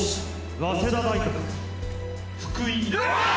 早稲田大学福井